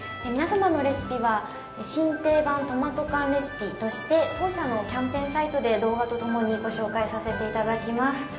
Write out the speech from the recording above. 皆様のレシピは「新定番トマト缶レシピ」として当社のキャンペーンサイトで動画とともにご紹介させていただきます